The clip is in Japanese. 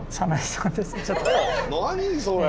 何それ。